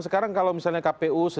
sekarang kalau misalnya kpu